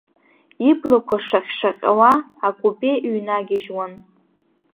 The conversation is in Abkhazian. Иблақәа шаҟьшаҟьауа акупе иҩнагьежьуан.